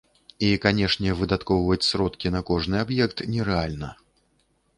І, канешне, выдаткоўваць сродкі на кожны аб'ект нерэальна.